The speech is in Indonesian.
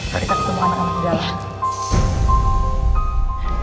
mari kita ketemu anak anak di dalam